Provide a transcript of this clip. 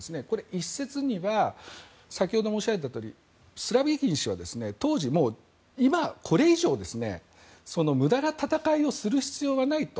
一説には先ほど申し上げたとおりスロビキン氏は当時今、これ以上無駄な戦いをする必要はないと。